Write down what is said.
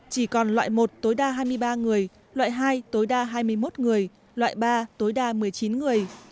chỉ còn loại một tối đa hai mươi ba người loại hai tối đa hai mươi một người loại ba tối đa một mươi chín người